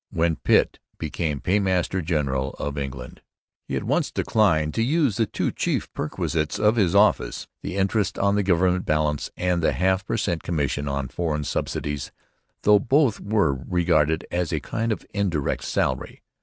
When Pitt became Paymaster General of England he at once declined to use the two chief perquisites of his office, the interest on the government balance and the half per cent commission on foreign subsidies, though both were regarded as a kind of indirect salary.